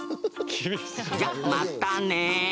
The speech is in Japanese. じゃまたね。